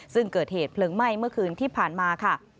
ซึ่งเกิดเหตุเพลิงไหม้เมื่อคืนที่ผ่านมาค่ะ